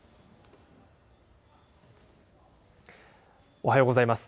おはようございます。